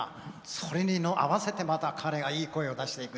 それに合わせてまた彼が、いい声を出していく。